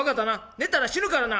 寝たら死ぬからな。